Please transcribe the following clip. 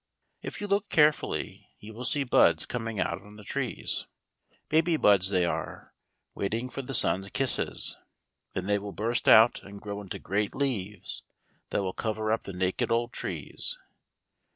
If you look carefully you will see buds coming out on the trees, baby buds they are, waiting for the sun's kisses. Then they will burst out and grow into great leaves that will cover up the naked old trees.